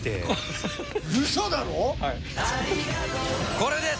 これです！